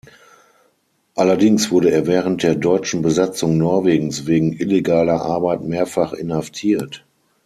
Allerdings wurde er während der deutschen Besatzung Norwegens wegen illegaler Arbeit mehrfach inhaftiert.